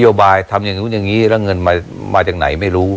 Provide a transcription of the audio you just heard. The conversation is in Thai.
โยบายทำอย่างนู้นอย่างนี้แล้วเงินมาจากไหนไม่รู้